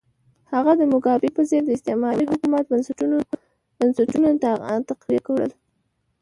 هغه د موګابي په څېر د استعماري حکومت بنسټونه تقویه کړل.